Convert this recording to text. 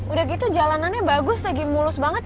udah gitu jalanannya bagus lagi mulus banget